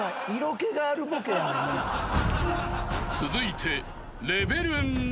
［続いて］